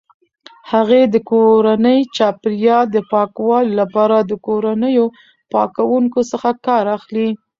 هغې د کورني چاپیریال د پاکوالي لپاره د کورنیو پاکونکو څخه کار اخلي.